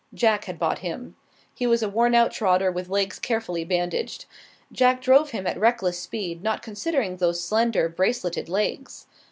Jack had bought him. He was a wornout trotter with legs carefully bandaged. Jack drove him at reckless speed, not considering those slender, braceleted legs.